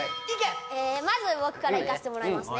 まず僕からいかせてもらいますね